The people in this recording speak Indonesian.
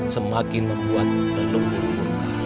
semakin membuat gelombang muka